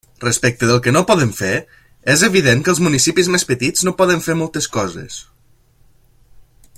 Respecte del que no poden fer, és evident que els municipis més petits no poden fer moltes coses.